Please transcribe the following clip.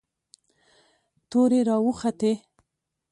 تورې را وختې.